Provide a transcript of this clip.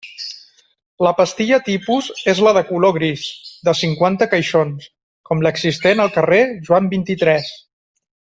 La pastilla tipus és la de color gris, de cinquanta caixons, com l'existent al carrer Joan vint-i-tres.